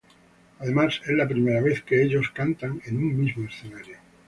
Además, es la primera vez que ellos cantan en un mismo escenario.